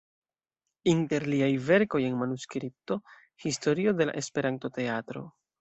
Inter liaj verkoj en manuskripto: Historio de la Esperanto-teatro.